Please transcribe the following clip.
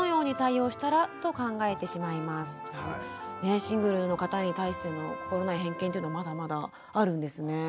シングルの方に対しての心ない偏見というのまだまだあるんですね。